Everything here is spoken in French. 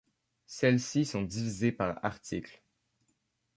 Celles-ci sont divisées par articles.